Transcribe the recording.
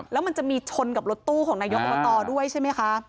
แล้วมันจะมีชนกับรถตู้ของนายกอบตด้วยใช่ไหมคะ